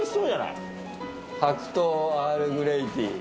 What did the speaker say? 白桃アールグレイティー。